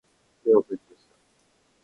目を閉じました。